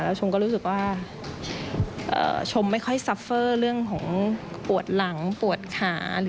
ชมก็รู้สึกว่าชมไม่ค่อยซัฟเฟอร์เรื่องของปวดหลังปวดขา